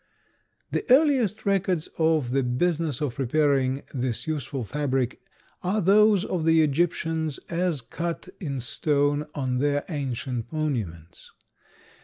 The earliest records of the business of preparing this useful fabric are those of the Egyptians as cut in stone on their ancient monuments.